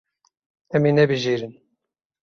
Em ê nebijêrin.